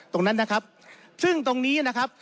ตรงนั้นนะครับซึ่งตรงนี้นะครับ